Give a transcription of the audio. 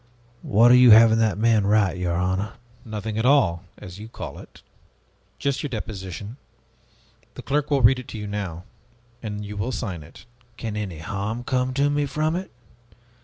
What are you having that man write, your honor?" "Nothing at all, as you call it. Just your deposition. The clerk will read it to you now, and you will sign it." "Can any harm come to me from it?